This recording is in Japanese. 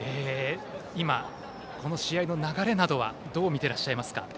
今、この試合の流れなどはどう見ていらっしゃいますか？